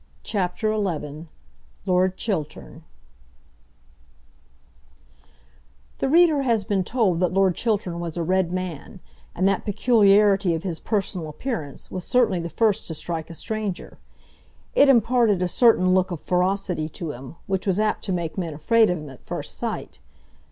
CHAPTER XI Lord Chiltern The reader has been told that Lord Chiltern was a red man, and that peculiarity of his personal appearance was certainly the first to strike a stranger. It imparted a certain look of ferocity to him, which was apt to make men afraid of him at first sight.